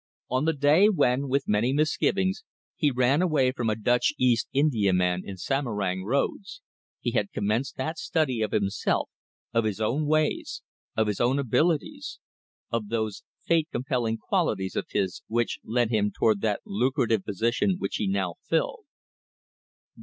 On the day when, with many misgivings, he ran away from a Dutch East Indiaman in Samarang roads, he had commenced that study of himself, of his own ways, of his own abilities, of those fate compelling qualities of his which led him toward that lucrative position which he now filled.